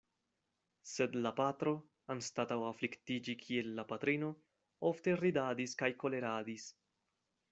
Sed la patro, anstataŭ afliktiĝi kiel la patrino, ofte ridadis kaj koleradis.